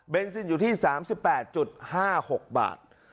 เป็นซินอยู่ที่๓๘๕๖บาท